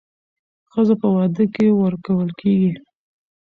ښځه په واده کې ورکول کېږي